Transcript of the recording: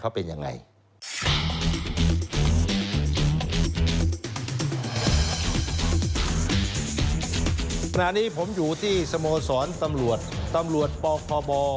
ขณะนี้ผมอยู่ที่สโมสรตำรวจตำรวจปคบ